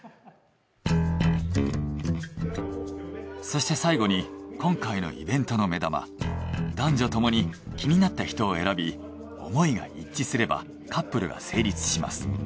そして最後に今回のイベントの目玉男女ともに気になった人を選び思いが一致すればカップルが成立します。